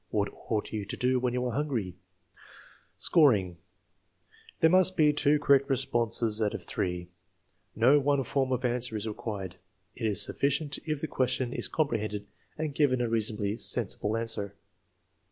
"What ought you to do when you are hungry ?" Scoring. There must be two correct responses old of 158 THE MEASUREMENT OF INTELLIGENCE three. No one form of answer is required. It is sufficient if the question is comprehended and given a reasonably sensible answer.